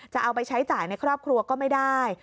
จะเอาไปใช้จ่ายในครอบครัวก็ไม่ได้